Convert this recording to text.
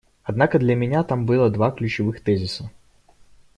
Однако для меня там было два ключевых тезиса.